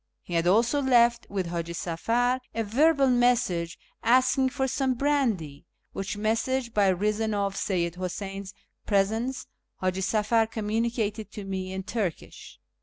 He had also left with Haji Safar a verbal message asking for some brandy, which message, by reason of Seyyid Huseyn's presence, Haji Safar communicated to me in Turkish.